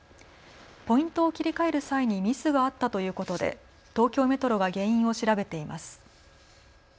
ポイントを切り替える際にミスがあったということで東京メトロが原因を調べています。